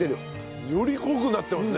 より濃くなってますね。